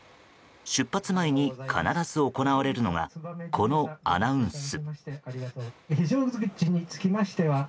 出発前に必ず行われるのがこのアナウンス。